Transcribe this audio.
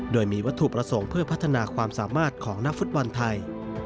โดยมีวัตถุประสงค์เพื่อพัฒนาความสามารถของนักฟุตบอลไทย